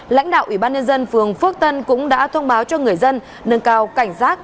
lãnh đạo ủy ban nhân dân phường phước tân cũng đã thông báo cho người dân nâng cao cảnh giác